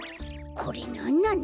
これなんなの？